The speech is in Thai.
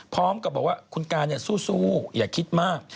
พร้อมกับบอกว่าคุณการสู้อย่าคิดมาก